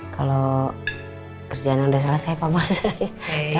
kalau kerjaan udah selesai papa saya